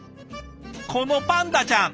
このパンダちゃん。